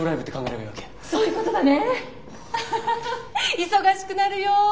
アハハハ忙しくなるよ。